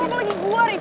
seronok banget ya